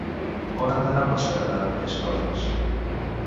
On han d'anar per saber-ne més coses?